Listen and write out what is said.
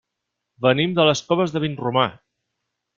Venim de les Coves de Vinromà.